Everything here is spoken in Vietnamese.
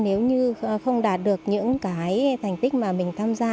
nếu như không đạt được những cái thành tích mà mình tham gia